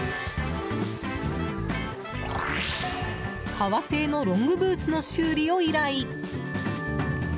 革製のロングブーツの修理を依頼。